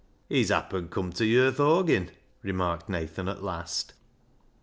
" He's happen come ta yer th' horgin," remarked Nathan at last.